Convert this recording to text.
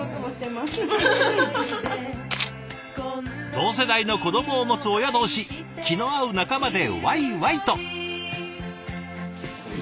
同世代の子どもを持つ親同士気の合う仲間でワイワイと。